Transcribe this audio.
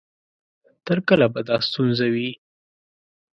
تر کله به دا ستونزه وي؟